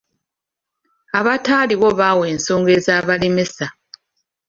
Abataaliwo baawa ensonga ezabalemesa.